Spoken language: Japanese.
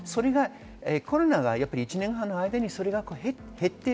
コロナが１年半の間にそれが減っている。